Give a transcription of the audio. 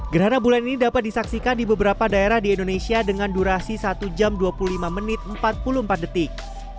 gerhana bulan ini dapat disaksikan di beberapa daerah di indonesia dengan durasi satu jam dua puluh lima menit empat puluh empat detik